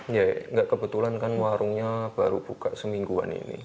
iya enggak kebetulan kan warungnya baru buka semingguan ini